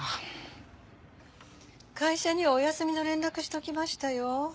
会社にはお休みの連絡しときましたよ。